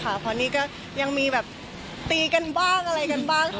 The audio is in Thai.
เพราะนี่ก็ยังมีแบบตีกันบ้างอะไรกันบ้าง